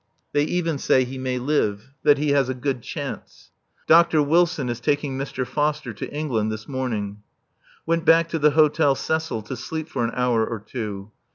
They even say he may live that he has a good chance. Dr. Wilson is taking Mr. Foster to England this morning. Went back to the Hôtel Cecil to sleep for an hour or two.